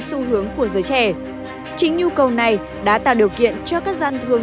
xu hướng của giới trẻ chính nhu cầu này đã tạo điều kiện cho các gian thương